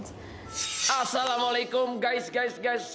assalamualaikum guys guys guys